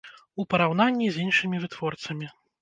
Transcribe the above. У параўнанні з іншымі вытворцамі.